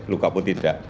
luka pun tidak